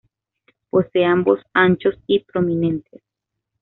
Posee ambos anchos y prominentes.